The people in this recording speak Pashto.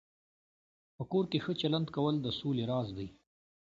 په کور کې ښه چلند کول د سولې راز دی.